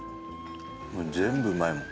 全部うまいもん。